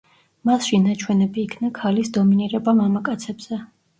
მასში ნაჩვენები იქნა ქალის დომინირება მამაკაცებზე.